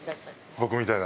僕みたいな。